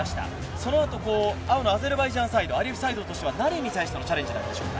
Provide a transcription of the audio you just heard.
そのあと、青のアゼルバイジャンサイドアリエフサイドとしては、何に対してのチャレンジでしょうか？